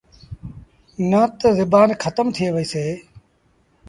نا تا زبآن کتم ٿئي وهيسي۔